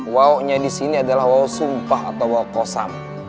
wawunya disini adalah waw sumpah atau waw kosam